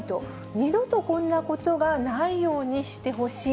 二度とこんなことがないようにしてほしい。